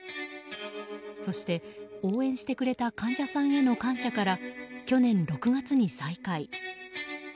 そして、応援してくれた患者さんへの感謝から去年６月に再開。